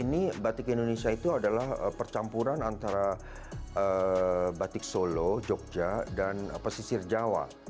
ini batik indonesia itu adalah percampuran antara batik solo jogja dan pesisir jawa